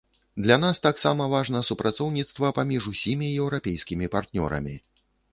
Для нас таксама важна супрацоўніцтва паміж усімі еўрапейскімі партнёрамі.